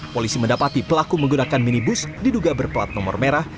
polisi mendapati pelaku menggunakan minibus diduga berplat nomor merah